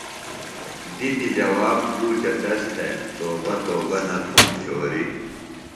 دِتیۡ جواب کوچہ تس تھےۡ، توبہ توبہ نہ تُھوم چوریۡ